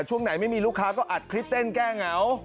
ช่วงไหนไม่มีลูกค้าก็อัดคลิปเต้นแก้เหงา